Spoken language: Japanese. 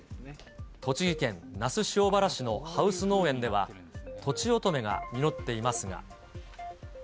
栃木県那須塩原市のハウス農園では、とちおとめが実っていますが。